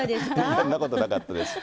そんなことはなかったですけど。